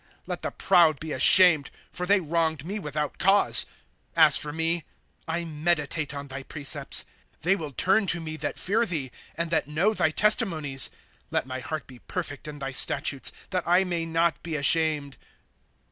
' Let the proud be ashamed, for they wronged me without cause ; As for me, I meditate on thy precepts. ' They will turn to me that fear thee. And that know thy testimonies. ' Let my heart be perfect in thy statutes, That I may not be ashamed.